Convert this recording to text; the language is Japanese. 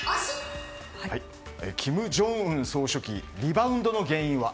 金正恩総書記リバウンドの原因は？